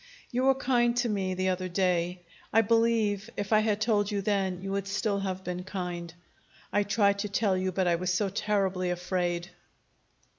"You were kind to me the other day. I believe, if I had told you then, you would still have been kind. I tried to tell you, but I was so terribly afraid.